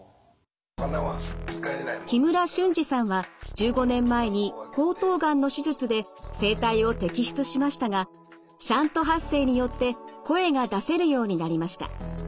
木村俊治さんは１５年前に喉頭がんの手術で声帯を摘出しましたがシャント発声によって声が出せるようになりました。